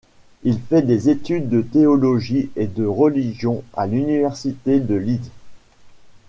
Il fait des études de théologie et de religion à l'Université de Leeds.